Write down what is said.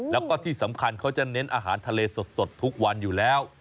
แล้วก็ที่สำคัญเขาจะเน้นอาหารทะเลสดทุกวันอยู่แล้ว